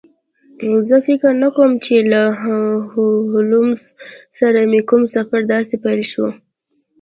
زه فکر نه کوم چې له هولمز سره مې کوم سفر داسې پیل شو